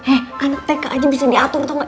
eh anak tk aja bisa diatur tau gak